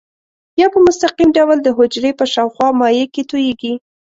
یا په مستقیم ډول د حجرې په شاوخوا مایع کې تویېږي.